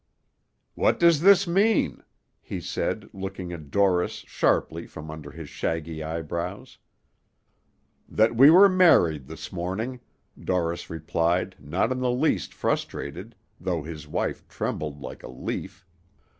"What does this mean?" he said, looking at Dorris sharply from under his shaggy eyebrows. "That we were married this morning," Dorris replied, not in the least frustrated, though his wife trembled like a leaf.